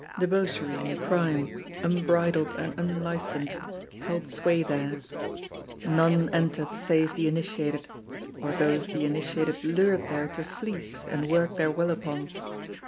Debauchery and crime, unbridled and unlicensed, held sway there. None entered save the initiated or those the initiated lured there to fleece and work their will upon.